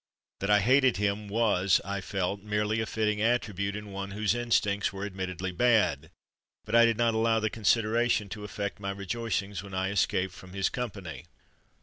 That I hated him was, I felt, merely a fitting attribute in one whose instincts were admittedly bad, but I did not allow the consideration to affect my re joicings when I escaped from his company.